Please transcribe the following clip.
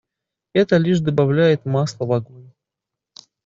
Это лишь добавляет масла в огонь.